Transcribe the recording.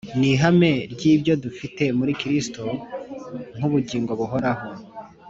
Ni ihame ry'ibyo dufite muri Kristo nk'ubugingo buhoraho,